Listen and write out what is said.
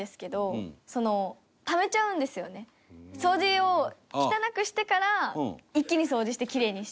掃除を汚くしてから一気に掃除してキレイにして。